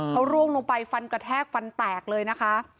เขาร่วงลงไปฟันกระแทกฟันแตกเลยนะคะ